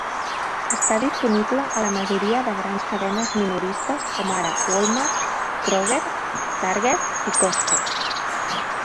Està disponible a la majoria de grans cadenes minoristes, com ara Walmart, Kroger, Target i Costco.